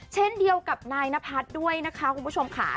เช่นเดียวกับนายนพัฒน์ด้วยนะคะคุณผู้ชมค่ะ